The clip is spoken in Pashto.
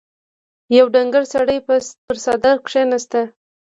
يو ډنګر سړی پر څادر کېناست.